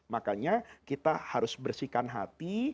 makanya kita harus bersihkan hati